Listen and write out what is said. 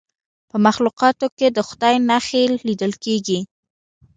په مخلوقاتو کې د خدای نښې لیدل کیږي.